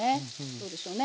どうでしょうね。